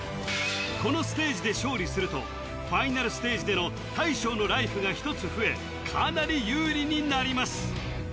このステージで勝利するとファイナルステージでの大将のライフが１つ増えかなり有利になります